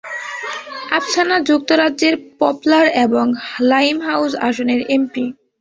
আপসানা যুক্তরাজ্যের পপলার এবং লাইমহাউস আসনের এমপি।